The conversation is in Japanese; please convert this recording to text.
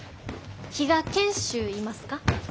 比嘉賢秀いますか？